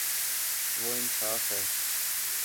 وہ انصا ف ہے